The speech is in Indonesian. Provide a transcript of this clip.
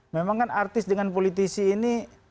memang kan artis dengan politisi ini